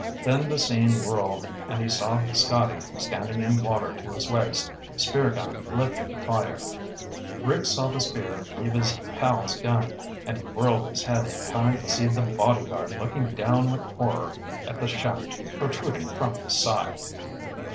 Then the scene whirled and he saw Scotty, standing in water to his waist, spear gun lifted to fire. [Illustration: The flying stingaree lifted him!] Rick saw the spear leave his pal's gun, and he whirled his head in time to see the bodyguard looking down with horror at the shaft protruding from his side.